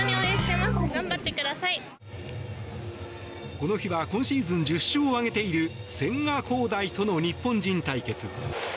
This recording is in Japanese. この日は今シーズン１０勝を挙げている千賀滉大との日本人対決。